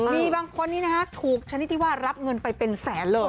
มีบางคนนี้นะฮะถูกชนิดที่ว่ารับเงินไปเป็นแสนเลย